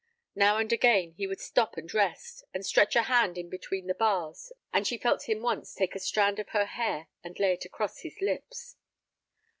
Now and again he would stop and rest, and stretch a hand in between the bars, and she felt him once take a strand of her hair and lay it across his lips.